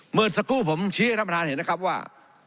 เมื่อสักครู่ผมชี้ให้ท่านประธานเห็นนะครับว่า